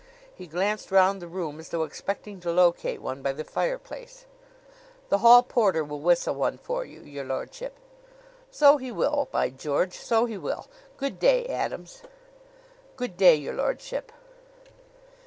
He glanced round the room, as though expecting to locate one by the fireplace. "The hall porter will whistle one for you, your lordship." "So he will, by George! so he will! Good day, Adams." "Good day, your lordship."